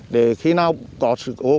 để khi nào có sự hỗn hợp